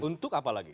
untuk apa lagi